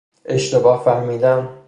اشتباه فهمیدن